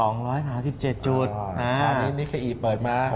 นานนี้คลีปเปิดมา